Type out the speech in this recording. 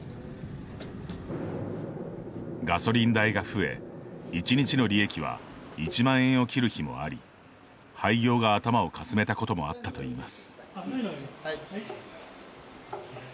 ガソリン代が増え、１日の利益は１万円を切る日もあり廃業が頭をかすめたこともあったといいます。